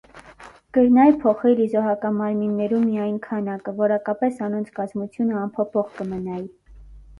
Կրնայ փոխուիլ իզոհակամարմիններու միայն քանակը, որակապէս անոնց կազմութիւնը անփոփոխ կը մնայ։